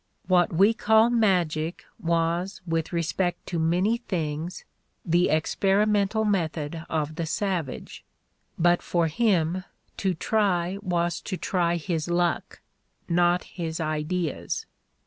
What we call magic was with respect to many things the experimental method of the savage; but for him to try was to try his luck, not his ideas.